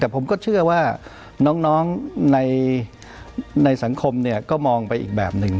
แต่ผมก็เชื่อว่าน้องในสังคมก็มองไปอีกแบบหนึ่ง